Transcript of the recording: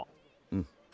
うん。